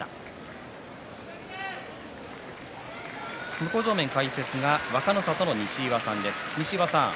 向正面の解説が若の里の西岩さんです。